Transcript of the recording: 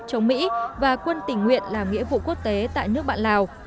chống mỹ và quân tỉnh nguyễn làm nghĩa vụ quốc tế tại nước bạn lào